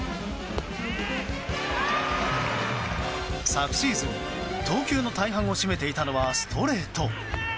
昨シーズン、投球の大半を占めていたのはストレート。